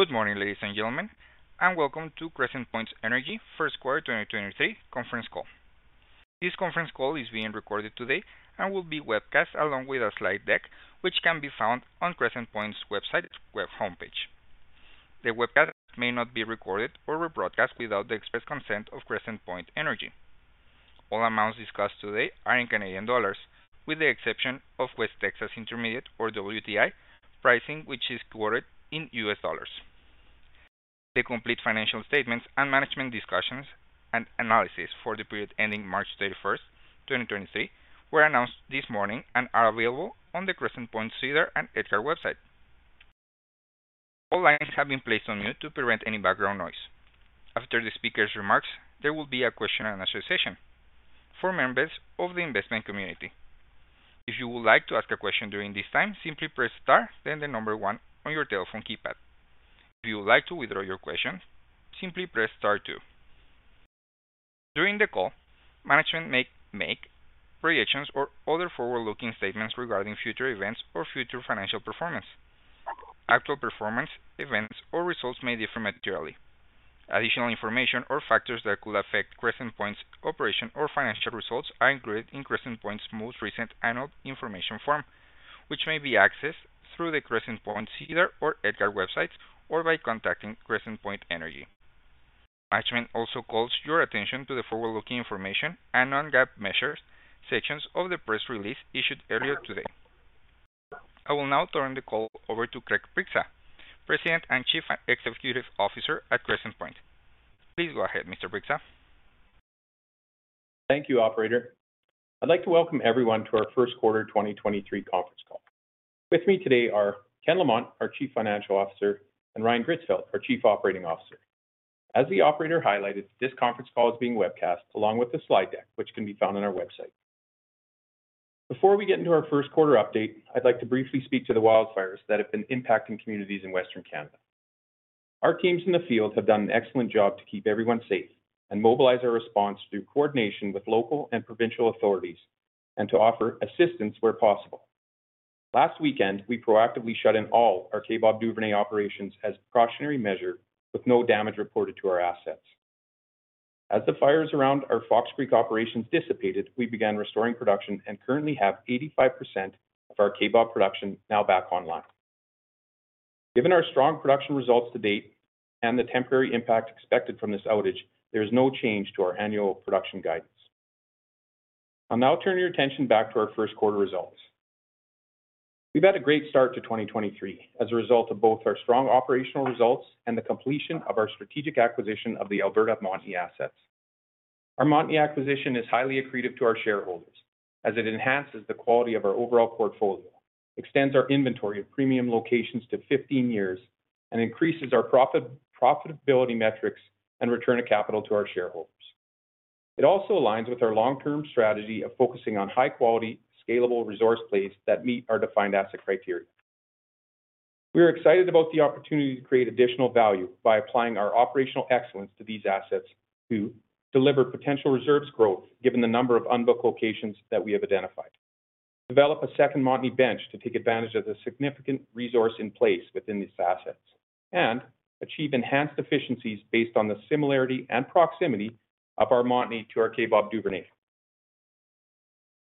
Good morning, ladies and gentlemen, and welcome to Crescent Point Energy first quarter 2023 conference call. This conference call is being recorded today and will be webcast along with a slide deck, which can be found on Crescent Point's website, web homepage. The webcast may not be recorded or rebroadcast without the express consent of Crescent Point Energy. All amounts discussed today are in Canadian dollars with the exception of West Texas Intermediate or WTI pricing, which is quoted in US dollars. The complete financial statements and management discussions and analysis for the period ending March 31st, 2023, were announced this morning and are available on the Crescent Point SEDAR and EDGAR website. All lines have been placed on mute to prevent any background noise. After the speaker's remarks, there will be a question-and-answer session for members of the investment community. If you would like to ask a question during this time, simply press star one on your telephone keypad. If you would like to withdraw your question, simply press star two. During the call, management may make projections or other forward-looking statements regarding future events or future financial performance. Actual performance, events or results may differ materially. Additional information or factors that could affect Crescent Point's operation or financial results are included in Crescent Point's most recent annual information form, which may be accessed through the Crescent Point SEDAR or EDGAR websites or by contacting Crescent Point Energy. Management also calls your attention to the forward-looking information and non-GAAP measures sections of the press release issued earlier today. I will now turn the call over to Craig Bryksa, President and Chief Executive Officer at Crescent Point. Please go ahead, Mr. Bryksa. Thank you, operator. I'd like to welcome everyone to our first quarter 2023 conference call. With me today are Ken Lamont, our Chief Financial Officer; and Ryan Gritzfeldt, our Chief Operating Officer. As the operator highlighted, this conference call is being webcast along with the slide deck, which can be found on our website. Before we get into our first quarter update, I'd like to briefly speak to the wildfires that have been impacting communities in Western Canada. Our teams in the field have done an excellent job to keep everyone safe and mobilize our response through coordination with local and provincial authorities and to offer assistance where possible. Last weekend, we proactively shut in all our Kaybob Duvernay operations as a precautionary measure with no damage reported to our assets. As the fires around our Fox Creek operations dissipated, we began restoring production and currently have 85% of our Kaybob production now back online. Given our strong production results to date and the temporary impact expected from this outage, there is no change to our annual production guidance. I'll now turn your attention back to our first quarter results. We've had a great start to 2023 as a result of both our strong operational results and the completion of our strategic acquisition of the Alberta Montney assets. Our Montney acquisition is highly accretive to our shareholders as it enhances the quality of our overall portfolio, extends our inventory of premium locations to 15 years, and increases our profitability metrics and return of capital to our shareholders. It also aligns with our long-term strategy of focusing on high quality, scalable resource plays that meet our defined-asset criteria. We are excited about the opportunity to create additional value by applying our operational excellence to these assets to deliver potential reserves growth given the number of unbooked locations that we have identified, develop a second Montney bench to take advantage of the significant resource in place within these assets, and achieve enhanced efficiencies based on the similarity and proximity of our Montney to our Kaybob Duvernay.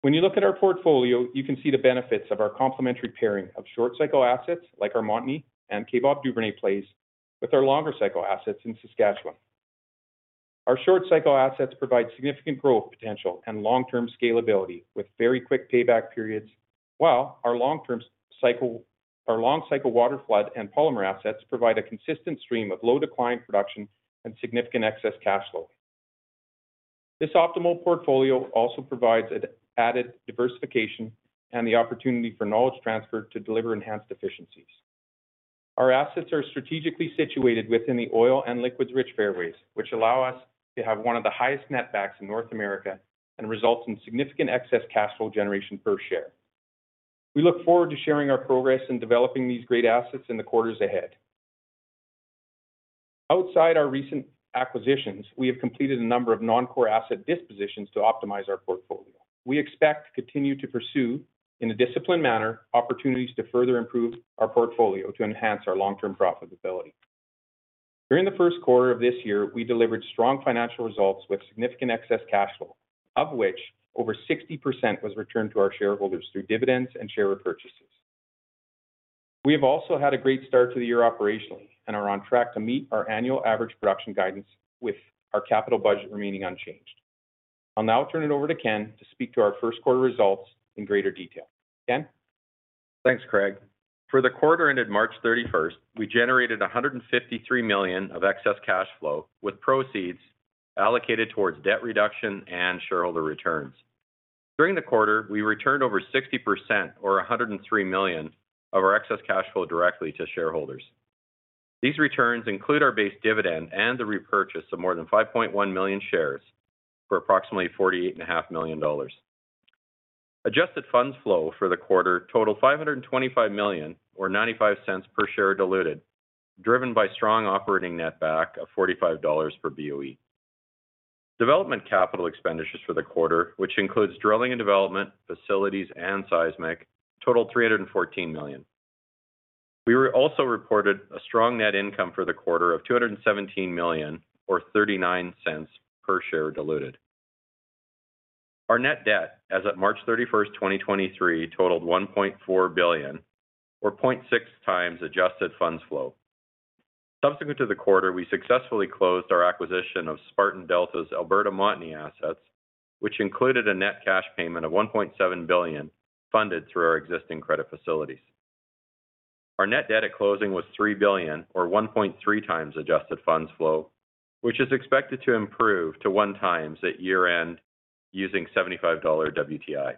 When you look at our portfolio, you can see the benefits of our complementary pairing of short-cycle assets like our Montney and Kaybob Duvernay plays with our longer-cycle assets in Saskatchewan. Our short-cycle assets provide significant growth potential and long-term scalability with very quick payback periods, while our long-cycle waterflood and polymer assets provide a consistent stream of low decline production and significant excess cash flow. This optimal portfolio also provides added diversification and the opportunity for knowledge transfer to deliver enhanced efficiencies. Our assets are strategically situated within the oil and liquids-rich fairways, which allow us to have one of the highest netbacks in North America and results in significant excess cash flow generation per share. We look forward to sharing our progress in developing these great assets in the quarters ahead. Outside our recent acquisitions, we have completed a number of non-core asset dispositions to optimize our portfolio. We expect to continue to pursue, in a disciplined manner, opportunities to further improve our portfolio to enhance our long-term profitability. During the first quarter of this year, we delivered strong financial results with significant excess cash flow, of which over 60% was returned to our shareholders through dividends and share repurchases. We have also had a great start to the year operationally and are on track to meet our annual average production guidance with our capital budget remaining unchanged. I'll now turn it over to Ken to speak to our first quarter results in greater detail. Ken? Thanks, Craig. For the quarter ended March 31st, we generated 153 million of excess cash flow with proceeds allocated towards debt reduction and shareholder returns. During the quarter, we returned over 60% or 103 million of our excess cash flow directly to shareholders. These returns include our base dividend and the repurchase of more than 5.1 million shares for approximately 48.5 million dollars. Adjusted funds flow for the quarter totaled 525 million or 0.95 per share diluted, driven by strong operating netback of 45 dollars per BOE. Development capital expenditures for the quarter, which includes drilling and development, facilities and seismic, totaled 314 million. We also reported a strong net income for the quarter of 217 million or 0.39 per share diluted. Our net debt as at March 31, 2023 totaled 1.4 billion or 0.6x adjusted funds flow. Subsequent to the quarter, we successfully closed our acquisition of Spartan Delta's Alberta Montney assets, which included a net cash payment of 1.7 billion funded through our existing credit facilities. Our net debt at closing was 3 billion or 1.3x adjusted funds flow, which is expected to improve to 1x at year-end using $75 WTI.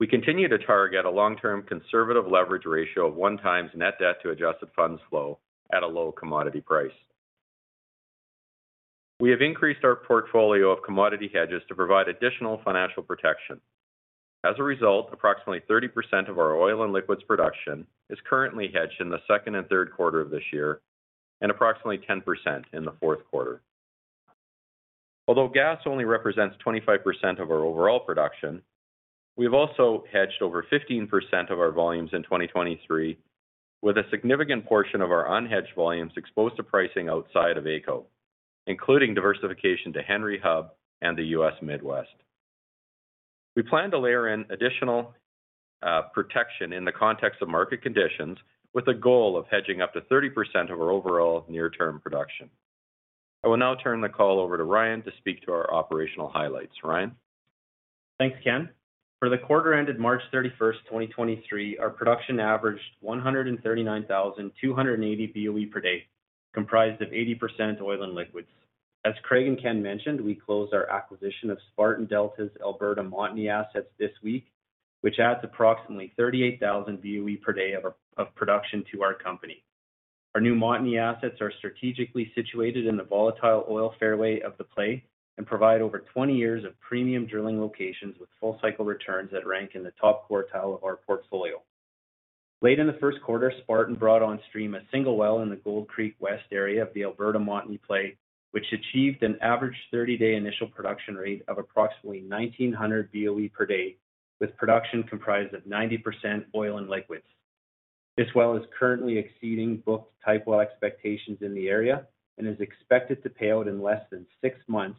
We continue to target a long-term conservative leverage ratio of 1x net debt to adjusted funds flow at a low commodity price. We have increased our portfolio of commodity hedges to provide additional financial protection. As a result, approximately 30% of our oil and liquids production is currently hedged in the second and third quarter of this year and approximately 10% in the fourth quarter. Although gas only represents 25% of our overall production, we've also hedged over 15% of our volumes in 2023, with a significant portion of our unhedged volumes exposed to pricing outside of AECO, including diversification to Henry Hub and the U.S. Midwest. We plan to layer in additional protection in the context of market conditions with the goal of hedging up to 30% of our overall near-term production. I will now turn the call over to Ryan to speak to our operational highlights. Ryan? Thanks, Ken. For the quarter ended March 31st, 2023, our production averaged 139,280 BOE per day, comprised of 80% oil and liquids. As Craig and Ken mentioned, we closed our acquisition of Spartan Delta's Alberta Montney assets this week, which adds approximately 38,000 BOE per day of production to our company. Our new Montney assets are strategically situated in the volatile oil fairway of the play and provide over 20 years of premium drilling locations with full cycle returns that rank in the top quartile of our portfolio. Late in the first quarter, Spartan brought on stream a single well in the Gold Creek West area of the Alberta Montney play, which achieved an average 30-day initial production rate of approximately 1,900 BOE per day, with production comprised of 90% oil and liquids. This well is currently exceeding booked-type well expectations in the area and is expected to pay out in less than six months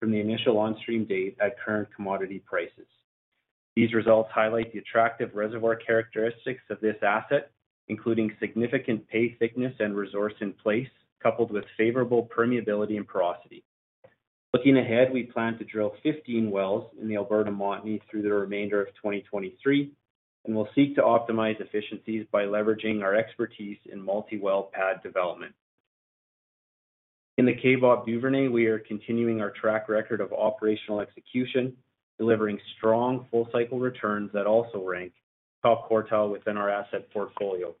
from the initial on stream date at current commodity prices. These results highlight the attractive reservoir characteristics of this asset, including significant pay thickness and resource in place, coupled with favorable permeability and porosity. Looking ahead, we plan to drill 15 wells in the Alberta Montney through the remainder of 2023, and we'll seek to optimize efficiencies by leveraging our expertise in multiwell pad development. In the Kaybob Duvernay, we are continuing our track record of operational execution, delivering strong full cycle returns that also rank top quartile within our asset portfolio.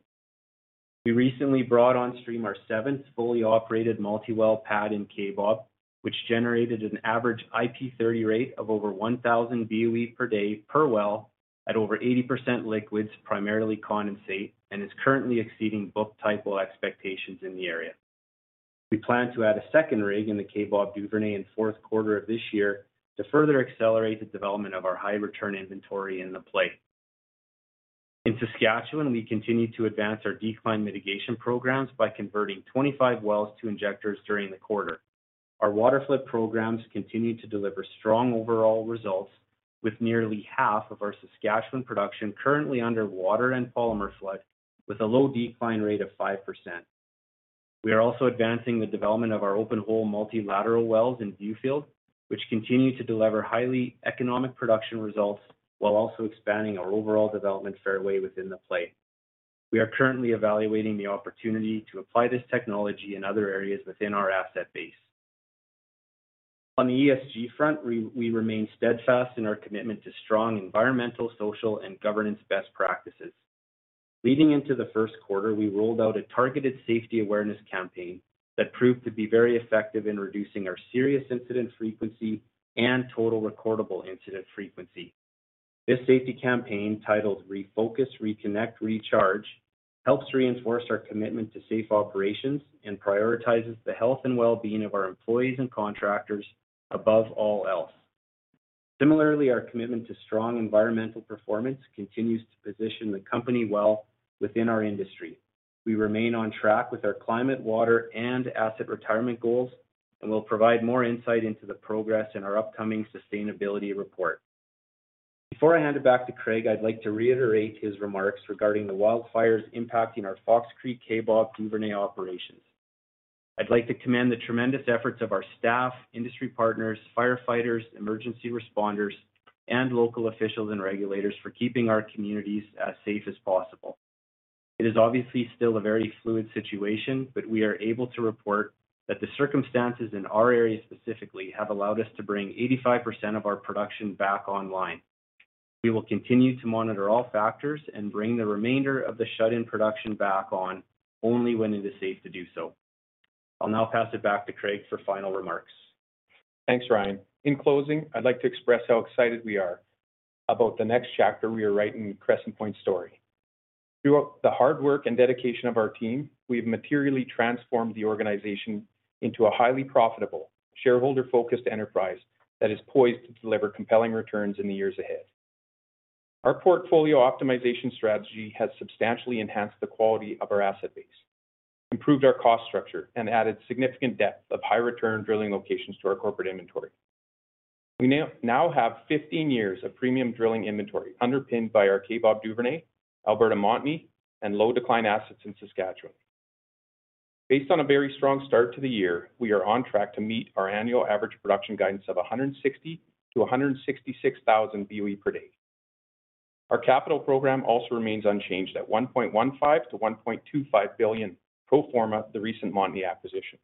We recently brought on stream our seventh fully operated multiwell pad in Kaybob, which generated an average IP30 rate of over 1,000 BOE per day per well at over 80% liquids, primarily condensate, and is currently exceeding booked-type well expectations in the area. We plan to add a second rig in the Kaybob Duvernay in fourth quarter of this year to further accelerate the development of our high-return inventory in the play. In Saskatchewan, we continue to advance our decline mitigation programs by converting 25 wells to injectors during the quarter. Our water flood programs continue to deliver strong overall results with nearly half of our Saskatchewan production currently underwater and polymer flood with a low decline rate of 5%. We are also advancing the development of our open-hole multilateral wells in Viewfield, which continue to deliver highly economic production results while also expanding our overall development fairway within the play. We are currently evaluating the opportunity to apply this technology in other areas within our asset base. On the ESG front, we remain steadfast in our commitment to strong environmental, social, and governance best practices. Leading into the first quarter, we rolled out a targeted safety awareness campaign that proved to be very effective in reducing our serious incident frequency and total recordable incident frequency. This safety campaign, titled Refocus, Reconnect, Recharge, helps reinforce our commitment to safe operations and prioritizes the health and well-being of our employees and contractors above all else. Similarly, our commitment to strong environmental performance continues to position the company well within our industry. We remain on track with our climate, water, and asset retirement goals. We'll provide more insight into the progress in our upcoming sustainability report. Before I hand it back to Craig, I'd like to reiterate his remarks regarding the wildfires impacting our Fox Creek Kaybob Duvernay operations. I'd like to commend the tremendous efforts of our staff, industry partners, firefighters, emergency responders, and local officials and regulators for keeping our communities as safe as possible. It is obviously still a very fluid situation. We are able to report that the circumstances in our area specifically have allowed us to bring 85% of our production back online. We will continue to monitor all factors and bring the remainder of the shut-in production back on only when it is safe to do so. I'll now pass it back to Craig for final remarks. Thanks, Ryan. In closing, I'd like to express how excited we are about the next chapter we are writing in Crescent Point story. Through the hard work and dedication of our team, we've materially transformed the organization into a highly profitable, shareholder-focused enterprise that is poised to deliver compelling returns in the years ahead. Our portfolio optimization strategy has substantially enhanced the quality of our asset base, improved our cost structure, and added significant depth of high return drilling locations to our corporate inventory. We now have 15 years of premium drilling inventory underpinned by our Kaybob Duvernay, Alberta Montney, and low-decline assets in Saskatchewan. Based on a very strong start to the year, we are on track to meet our annual average production guidance of 160,000-166,000 BOE per day. Our capital program also remains unchanged at 1.15 billion-1.25 billion pro forma, the recent Montney acquisition.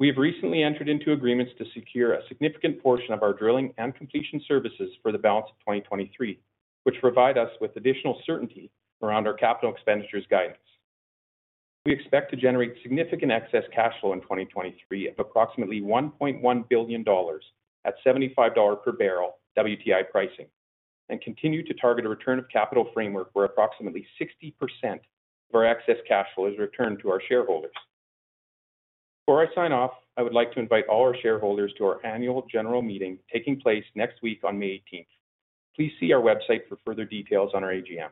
We have recently entered into agreements to secure a significant portion of our drilling and completion services for the balance of 2023, which provide us with additional certainty around our capital expenditures guidance. We expect to generate significant excess cash flow in 2023 of approximately 1.1 billion dollars at $75 per barrel WTI pricing, and continue to target a return of capital framework where approximately 60% of our excess cash flow is returned to our shareholders. Before I sign off, I would like to invite all our shareholders to our annual general meeting taking place next week on May 18th. Please see our website for further details on our AGM.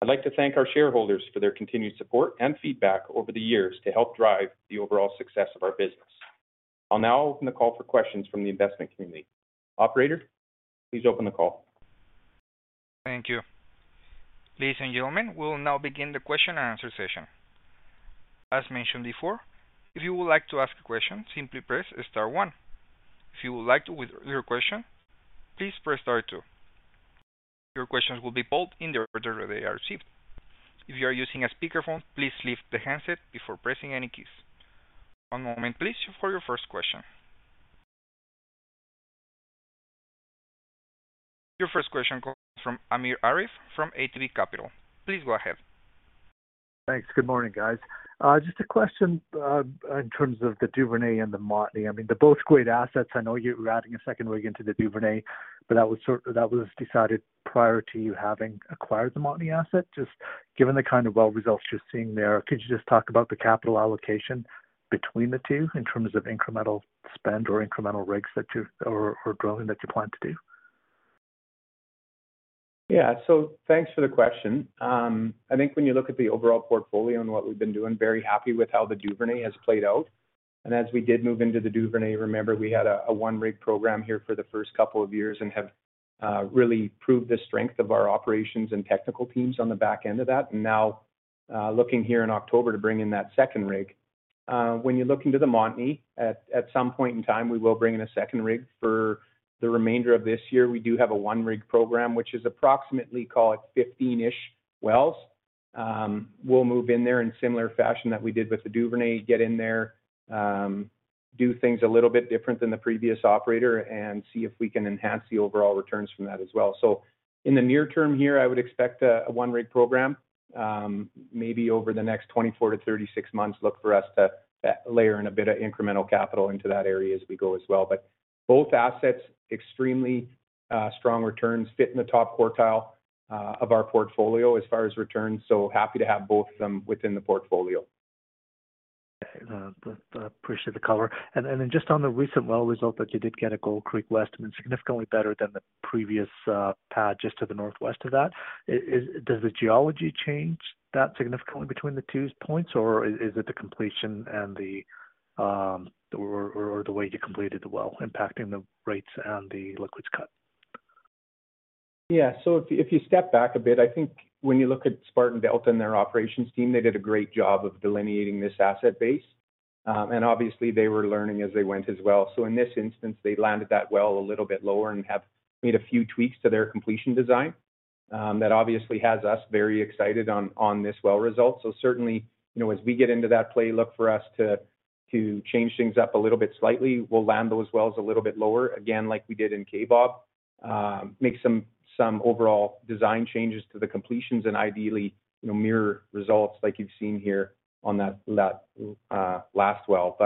I'd like to thank our shareholders for their continued support and feedback over the years to help drive the overall success of our business. I'll now open the call for questions from the investment community. Operator, please open the call. Thank you. Ladies and gentlemen, we will now begin the question-and-answer session. As mentioned before, if you would like to ask a question, simply press star one. If you would like to withdraw your question, please press star two. Your questions will be polled in the order they are received. If you are using a speakerphone, please lift the handset before pressing any keys. One moment please for your first question. Your first question comes from Amir Arif from ATB Capital. Please go ahead. Thanks. Good morning, guys. Just a question in terms of the Duvernay and the Montney. I mean, they're both great assets. I know you're adding a second rig into the Duvernay, but that was decided prior to you having acquired the Montney asset. Just given the kind of well results you're seeing there, could you just talk about the capital allocation between the two in terms of incremental spend or incremental rigs or drilling that you plan to do? Yeah. Thanks for the question. I think when you look at the overall portfolio and what we've been doing, very happy with how the Duvernay has played out. As we did move into the Duvernay, remember we had a one-rig program here for the first couple of years and have really proved the strength of our operations and technical teams on the back end of that. Looking here in October to bring in that second rig. You look into the Montney, at some point in time, we will bring in a second rig. The remainder of this year, we do have a one-rig program, which is approximately, call it 15-ish wells. We'll move in there in similar fashion that we did with the Duvernay, get in there, do things a little bit different than the previous operator and see if we can enhance the overall returns from that as well. In the near term here, I would expect a one-rig program, maybe over the next 24-36 months, look for us to layer in a bit of incremental capital into that area as we go as well. Both assets, extremely strong returns, fit in the top quartile of our portfolio as far as returns, so happy to have both of them within the portfolio. Appreciate the color. Then just on the recent well result that you did get at Gold Creek West, I mean, significantly better than the previous pad just to the northwest of that. Does the geology change that significantly between the two points, or is it the completion and the or the way you completed the well impacting the rates and the liquids cut? Yeah. If you step back a bit, I think when you look at Spartan Delta and their operations team, they did a great job of delineating this asset base. And obviously, they were learning as they went as well. In this instance, they landed that well a little bit lower and have made a few tweaks to their completion design. That obviously has us very excited on this well result. Certainly, you know, as we get into that play, look for us to change things up a little bit slightly. We'll land those wells a little bit lower, again, like we did in Kaybob. Make some overall design changes to the completions and ideally, you know, mirror results like you've seen here on that last well.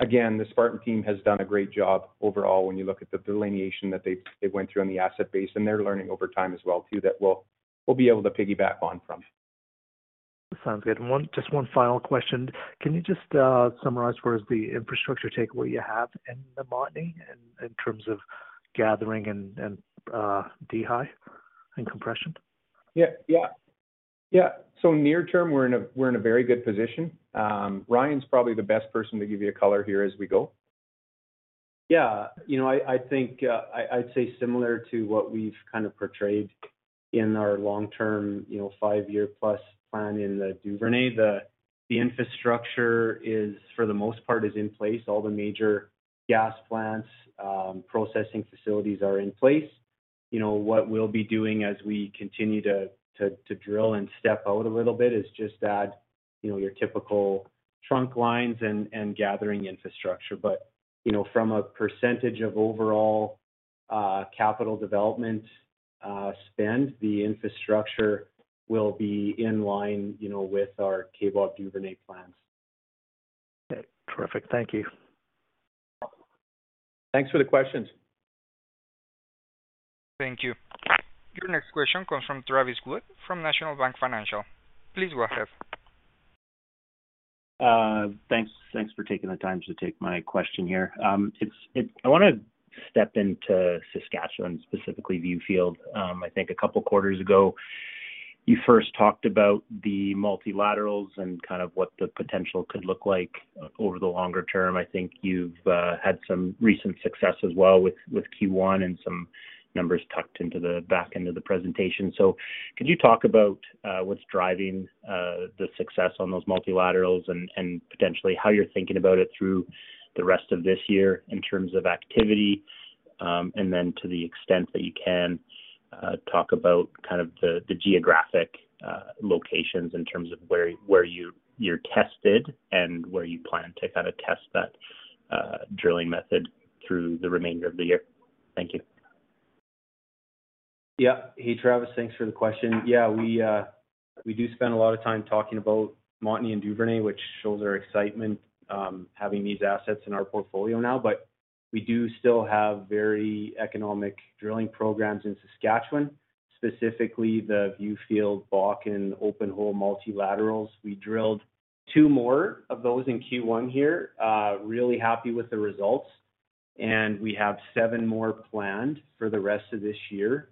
Again, the Spartan team has done a great job overall when you look at the delineation that they went through on the asset base, and they're learning over time as well too, that we'll be able to piggyback on from. Sounds good. Just one final question. Can you just summarize for us the infrastructure takeaway you have in the Montney in terms of gathering and dehy and compression? Yeah. Near term, we're in a very good position. Ryan's probably the best person to give you a color here as we go. Yeah. You know, I think I'd say similar to what we've kind of portrayed in our long-term, you know, five-year+ plan in the Duvernay, the infrastructure is, for the most part, is in place. All the major gas plants, processing facilities are in place. You know, what we'll be doing as we continue to drill and step out a little bit is just add, you know, your typical trunk lines and gathering infrastructure. You know, from a percentage of overall capital development spend, the infrastructure will be in line, you know, with our Kaybob Duvernay plans. Okay. Terrific. Thank you. Thanks for the questions. Thank you. Your next question comes from Travis Wood from National Bank Financial. Please go ahead. Thanks, thanks for taking the time to take my question here. I wanna step into Saskatchewan, specifically Viewfield. I think a couple of quarters ago, you first talked about the multilaterals and kind of what the potential could look like over the longer term. I think you've had some recent success as well with Q1 and some numbers tucked into the back end of the presentation. Could you talk about what's driving the success on those multilaterals and potentially how you're thinking about it through the rest of this year in terms of activity? To the extent that you can talk about kind of the geographic locations in terms of where you're tested and where you plan to kinda test that drilling method through the remainder of the year. Thank you. Hey, Travis. Thanks for the question. We do spend a lot of time talking about Montney and Duvernay, which shows our excitement having these assets in our portfolio now. We do still have very economic drilling programs in Saskatchewan, specifically the Viewfield Bakken open-hole multilaterals. We drilled two more of those in Q1 here, really happy with the results, and we have seven more planned for the rest of this year.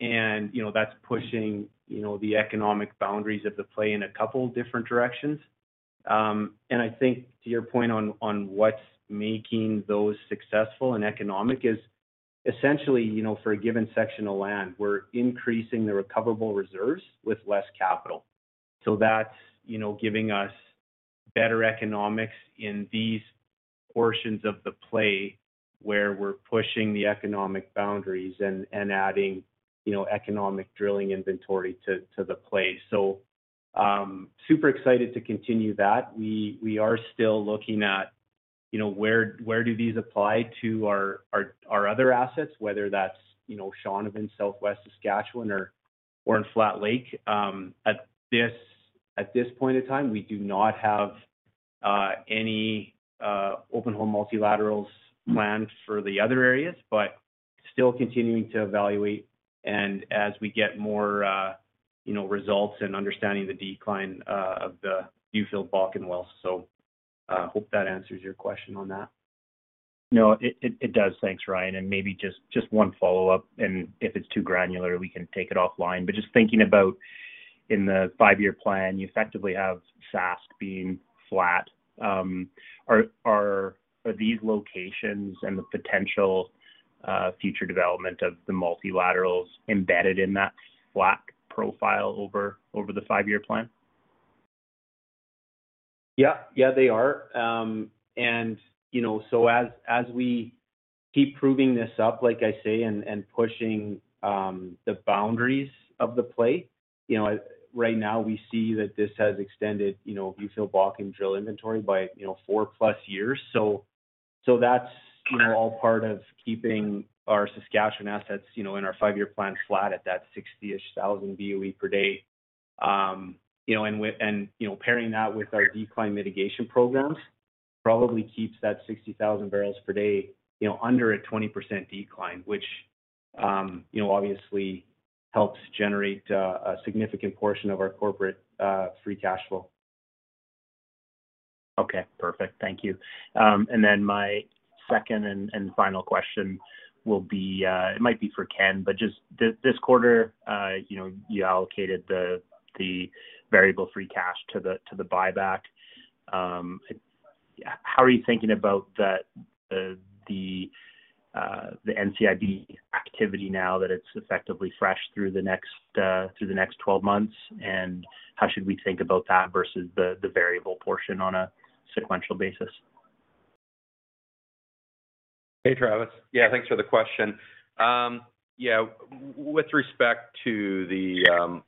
You know, that's pushing, you know, the economic boundaries of the play in a couple different directions. I think to your point on what's making those successful and economic is essentially, you know, for a given section of land, we're increasing the recoverable reserves with less capital. That's, you know, giving us better economics in these portions of the play where we're pushing the economic boundaries and adding, you know, economic drilling inventory to the play. Super excited to continue that. We are still looking at, you know, where do these apply to our other assets, whether that's, you know, Shaunavon, Southwest Saskatchewan or in Flat Lake. At this point in time, we do not have any open-hole multilaterals planned for the other areas, but still continuing to evaluate and as we get more, you know, results in understanding the decline of the Viewfield Bakken wells. Hope that answers your question on that. No, it does. Thanks, Ryan. Maybe just one follow-up, and if it's too granular, we can take it offline. Just thinking about in the five-year plan, you effectively have [SAS] being flat. Are these locations and the potential future development of the multilaterals embedded in that flat profile over the five-year plan? Yeah. Yeah, they are. You know, so as we keep proving this up, like I say, and pushing the boundaries of the play. You know, right now we see that this has extended, you know, Viewfield Bakken drill inventory by, you know, four+ years. That's, you know, all part of keeping our Saskatchewan assets, you know, in our five-year plan flat at that 60,000-ish BOE per day. You know, pairing that with our decline mitigation programs probably keeps that 60,000 barrels per day, you know, under a 20% decline, which, you know, obviously helps generate a significant portion of our corporate free cash flow. Okay. Perfect. Thank you. My second and final question will be, it might be for Ken, but just this quarter, you know, you allocated the variable free cash to the buyback. How are you thinking about the NCIB activity now that it's effectively fresh through the next 12 months? How should we think about that versus the variable portion on a sequential basis? Hey, Travis. Thanks for the question. With respect to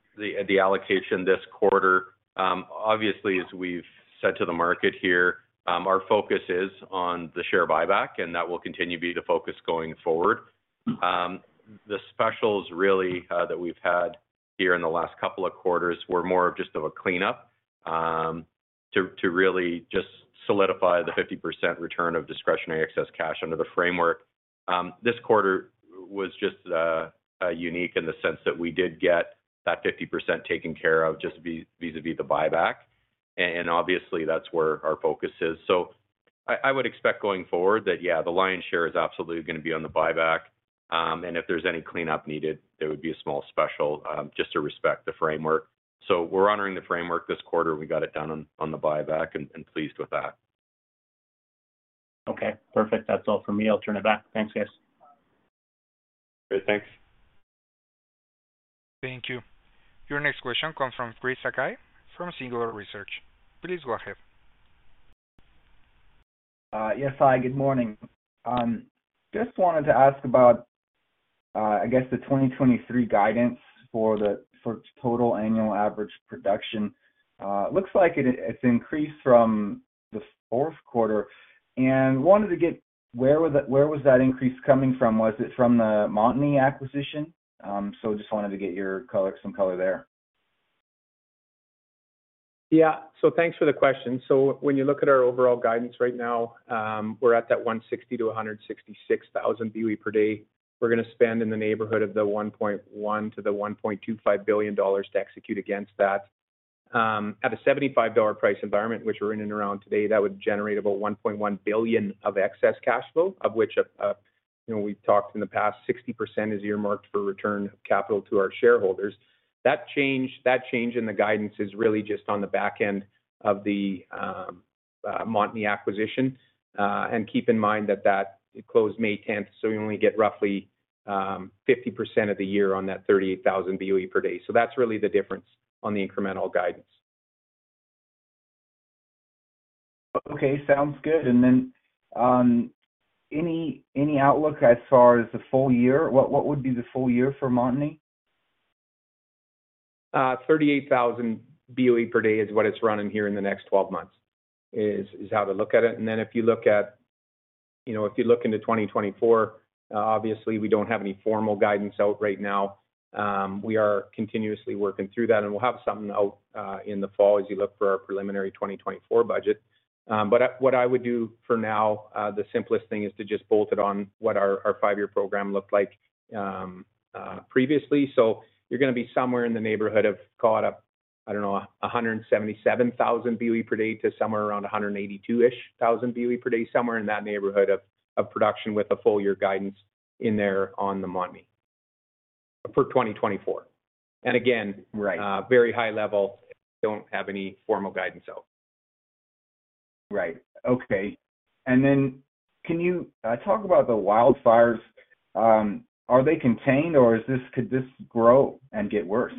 the allocation this quarter, obviously, as we've said to the market here, our focus is on the share buyback, and that will continue to be the focus going forward. The specials really that we've had here in the last couple of quarters were more of just of a cleanup to really just solidify the 50% return of discretionary excess cash under the framework. This quarter was just unique in the sense that we did get that 50% taken care of just vis-a-vis the buyback. Obviously, that's where our focus is. I would expect going forward that the [line's] share is absolutely gonna be on the buyback. If there's any cleanup needed, there would be a small special, just to respect the framework. We're honoring the framework this quarter. We got it done on the buyback and pleased with that. Okay, perfect. That's all for me. I'll turn it back. Thanks, guys. Great. Thanks. Thank you. Your next question comes from Chris Sakai from Singular Research. Please go ahead. Yes. Hi, good morning. Just wanted to ask about, I guess the 2023 guidance for total annual average production. Looks like it's increased from the fourth quarter, and wanted to get where was that increase coming from? Was it from the Montney acquisition? Just wanted to get some color there. Thanks for the question. When you look at our overall guidance right now, we're at that 160,000-166,000 BOE per day. We're gonna spend in the neighborhood of 1.1 billion-1.25 billion dollars to execute against that. At a CAD-75 price environment, which we're in and around today, that would generate about 1.1 billion of excess cash flow of which, you know, we've talked in the past 60% is earmarked for return of capital to our shareholders. That change, that change in the guidance is really just on the back end of the Montney acquisition. Keep in mind that it closed May 10th, so we only get roughly 50% of the year on that 38,000 BOE per day. That's really the difference on the incremental guidance. Okay. Sounds good. Any outlook as far as the full year? What would be the full year for Montney? 38,000 BOE per day is what it's running here in the next 12 months, is how to look at it. If you look at, you know, if you look into 2024, obviously we don't have any formal guidance out right now. We are continuously working through that, and we'll have something out in the fall as you look for our preliminary 2024 budget. What I would do for now, the simplest thing is to just bolt it on what our five-year program looked like previously. You're gonna be somewhere in the neighborhood of call it up, I don't know, 177,000 BOE per day to somewhere around 182,000-ish BOE per day. Somewhere in that neighborhood of production with a full year guidance in there on the Montney for 2024. Again, Right. Very high level. Don't have any formal guidance out. Right. Okay. Can you talk about the wildfires? Are they contained or could this grow and get worse?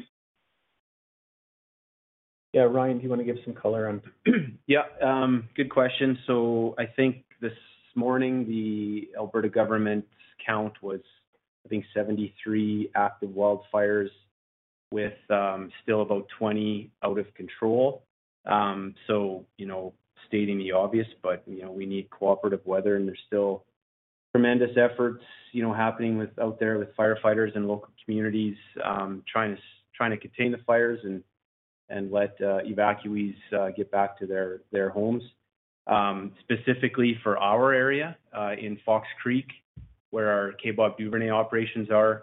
Yeah. Ryan, do you wanna give some color on. Yeah, good question. I think this morning the Alberta government's count was, I think 73 active wildfires with still about 20 out of control. You know, stating the obvious, but, you know, we need cooperative weather, and there's still tremendous efforts, you know, happening out there with firefighters and local communities, trying to contain the fires and let evacuees get back to their homes. Specifically for our area in Fox Creek where our Kaybob Duvernay operations are,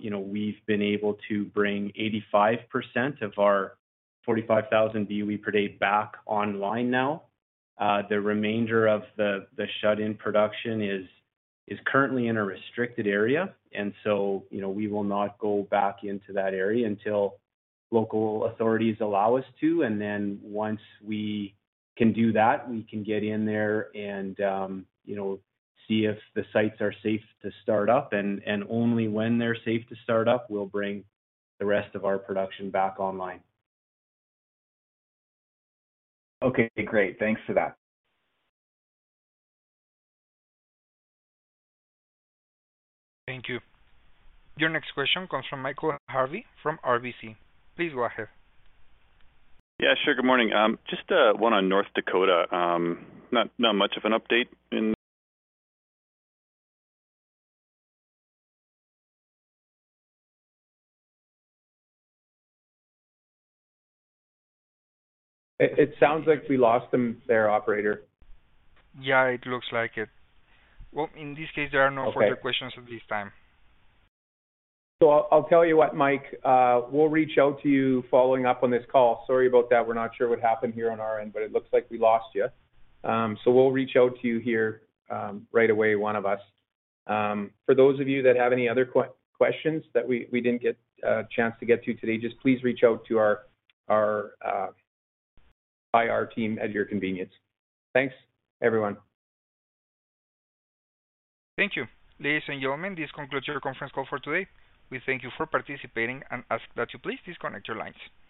you know, we've been able to bring 85% of our 45,000 BOE per day back online now. The remainder of the shut-in production is currently in a restricted area. You know, we will not go back into that area until local authorities allow us to. Once we can do that, we can get in there and, you know, see if the sites are safe to start up. Only when they're safe to start up, we'll bring the rest of our production back online. Okay, great. Thanks for that. Thank you. Your next question comes from Michael Harvey from RBC. Please go ahead. Yeah, sure. Good morning. Just one on North Dakota. Not much of an update in- It sounds like we lost him there, operator. Yeah, it looks like it. Well, in this case, there are no further questions at this time. I'll tell you what, Mike, we'll reach out to you following up on this call. Sorry about that. We're not sure what happened here on our end, but it looks like we lost you. We'll reach out to you here right away, one of us. For those of you that have any other questions that we didn't get a chance to get to today, just please reach out to our IR team at your convenience. Thanks, everyone. Thank you. Ladies and gentlemen, this concludes your conference call for today. We thank you for participating and ask that you please disconnect your lines. Thank you.